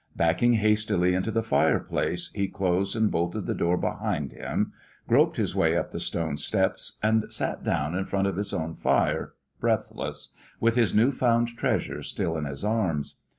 Backing hastily into the fireplace he closed and bolted the door behind him, groped his way up the stone steps, and sat down in front of his own fire, breathless, with his new found treasure still in his arms.